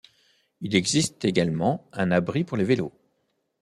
Il existe également un abri pour les vélos.